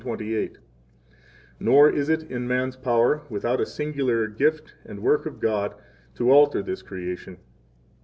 6 Nor is it in man's power, without a singular gift and work of God, to alter this creation.